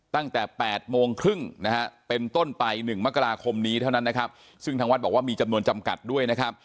ตั้งแต่๘โมงครึ่งเป็นต้นไป๑มกราคมนี้เท่านั้นซึ่งทางวัดบอกว่ามีจำนวนจำกัดด้วย